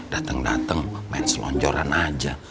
dateng dateng main selonjoran aja